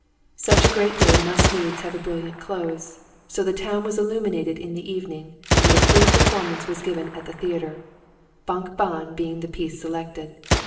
... Such a great day must needs have a brilliant close, so the town was illuminated in the evening, and a free performance was given at the theatre, Bánk bán being the piece selected.